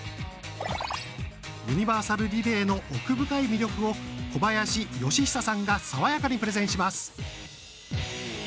ユニバーサルリレーの奥深い魅力を小林よしひささんが爽やかにプレゼンします。